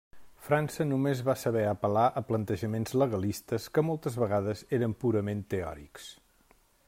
França només va saber apel·lar a plantejaments legalistes que moltes vegades eren purament teòrics.